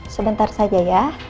sebentar saja ya